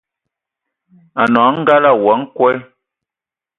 A nɔŋɔ ngal a woa a nkwe.